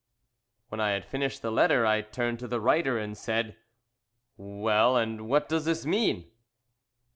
When I had finished the letter I turned to the writer and said "Well, and what does this mean?"